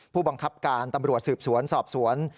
ผู้บังคับการตำรวจสืบสวนสอบสวน